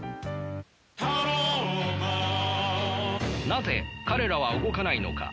なぜ彼らは動かないのか。